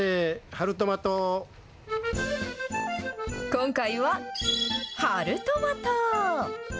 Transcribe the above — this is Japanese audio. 今回は、春トマト。